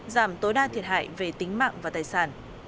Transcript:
giảm tối đa thiệt hại về tính mạng và tài sản